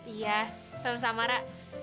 iya selamat selamat ra